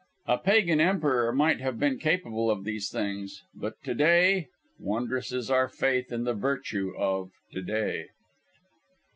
A Pagan emperor might have been capable of these things, but to day wondrous is our faith in the virtue of "to day!"